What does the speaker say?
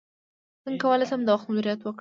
څنګه کولی شم د وخت مدیریت وکړم